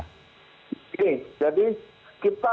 oke jadi kita